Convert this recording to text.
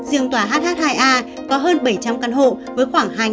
riêng tòa hh hai a có hơn bảy trăm linh căn hộ với khoảng hai dân